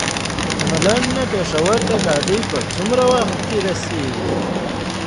د ملاکنډ نه پېښور ته ګاډی په څومره وخت کې رسي؟